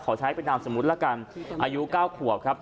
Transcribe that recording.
ใช้เป็นนามสมมุติละกันอายุ๙ขวบครับ